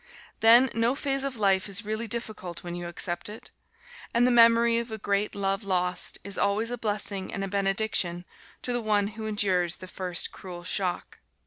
Then, no phase of life is really difficult when you accept it; and the memory of a great love lost is always a blessing and a benediction to the one who endures the first cruel shock.